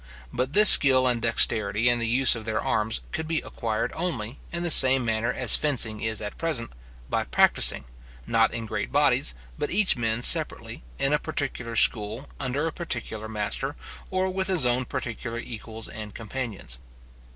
But this skill and dexterity in the use of their arms could be acquired only, in the same manner as fencing is at present, by practising, not in great bodies, but each man separately, in a particular school, under a particular master, or with his own particular equals and companions.